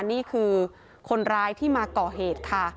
นี่คือคนร้ายที่มาก่อเหตุค่ะ